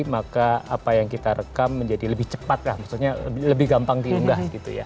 maka apa yang kita rekam menjadi lebih cepat maksudnya lebih gampang diundah